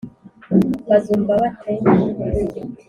Bazumva bate